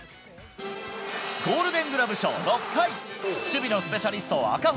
ゴールデングラブ賞６回、守備のスペシャリスト赤星